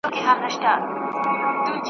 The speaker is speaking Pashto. ګیدړ ژر له حیرانیه کړه خوله وازه ,